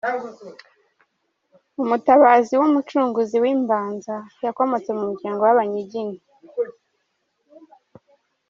Umutabazi w’Umucunguzi w’Imbanza: Yakomotse mu muryango w’Abanyiginya.